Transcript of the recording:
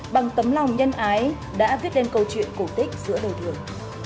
bằng tấm lòng nhân ái đã viết lên câu chuyện cổ tích giữa đời thường